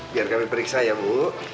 biar kami periksa ya bu